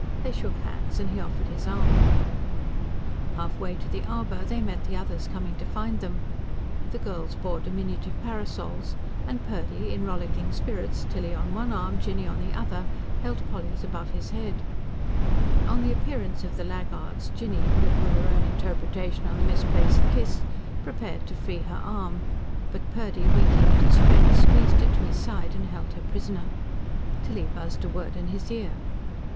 They shook hands, and he offered his arm. Halfway to the arbour, they met the others coming to find them. The girls bore diminutive parasols; and Purdy, in rollicking spirits, Tilly on one arm, Jinny on the other, held Polly's above his head. On the appearance of the laggards, Jinny, who had put her own interpretation on the misplaced kiss, prepared to free her arm; but Purdy, winking at his friend, squeezed it to his side and held her prisoner. Tilly buzzed a word in his ear.